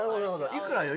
いくらよ？